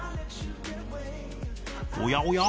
おやおや？